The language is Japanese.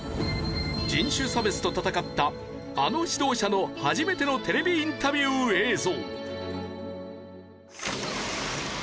人種差別と闘ったあの指導者の初めてのテレビインタビュー映像。